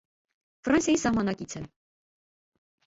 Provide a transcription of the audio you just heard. Ֆրանսիային սահմանակից է։